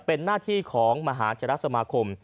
เป็นหน้าที่ของมหาธรรมชโมคม